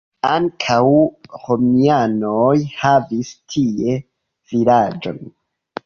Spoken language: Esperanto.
Ankaŭ romianoj havis tie vilaĝon.